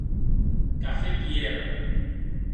Cafè Pierre.